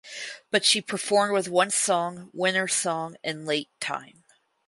But she performed with one song (winner song) in late time.